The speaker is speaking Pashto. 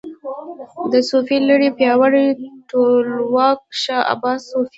د صفوي لړۍ پیاوړی ټولواک شاه عباس صفوي و.